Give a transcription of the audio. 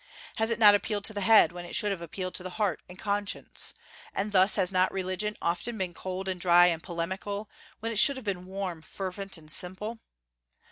Has it not appealed to the head, when it should have appealed to the heart and conscience; and thus has not religion often been cold and dry and polemical, when it should have been warm, fervent, and simple?